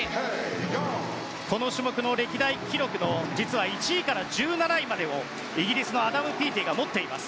この種目の歴代記録の１位から１７位までをイギリスのアダム・ピーティが持っています。